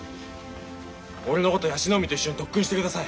俺のこと椰子の海と一緒に特訓してください。